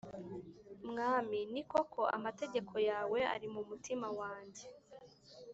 mwami ni koko amategeko yawe ari mu mutima wanjye